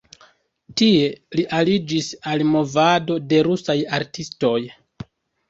Tie li aliĝis al movado de rusaj artistoj.